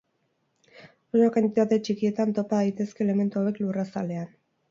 Oso kantitate txikietan topa daitezke elementu hauek lurrazalean.